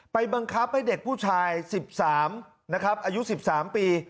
บังคับให้เด็กผู้ชาย๑๓นะครับอายุ๑๓ปี